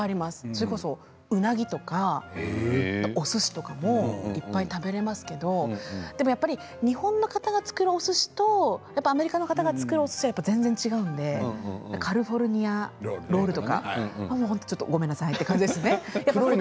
それこそうなぎとかおすしとかもいっぱい食べられますけれど日本の方が作るおすしとアメリカの方が作るおすしは違うのでカリフォルニアロールとかはちょっとごめんなさいって感じですね。